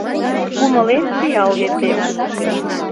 Кумылем пиал ден темын